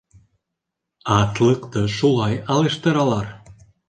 Аҫлыҡты шулай алыштыралар: